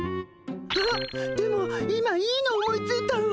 あっでも今いいの思いついたわ。